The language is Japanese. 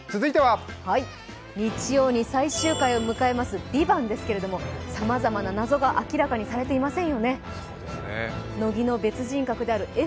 日曜に最終回を迎えます「ＶＩＶＡＮＴ」ですけども、さまざまな謎が明らかにされていませんよね。